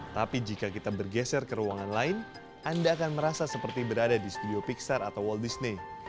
tapi jika kita bergeser ke ruangan lain anda akan merasa seperti berada di studio pixer atau wall disney